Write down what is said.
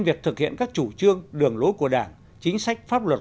việc thực hiện các chủ trương đường lối của đảng chính sách pháp luật